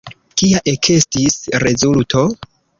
Kia ekestis rezulto?